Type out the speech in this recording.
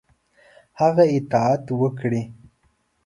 هغه اطاعت وکړي.